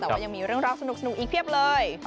แต่ว่ายังมีเรื่องราวสนุกอีกเพียบเลย